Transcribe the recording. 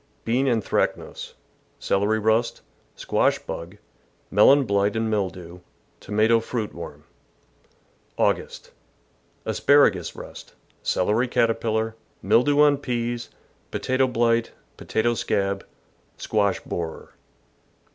— Bean anthracnose, celery rust, squash bug, melon blight and mildew, tomato fruit worm. August. — Asparagus rust, celery caterpillar, mildew on peas, potato blight, potato scab, squash borer.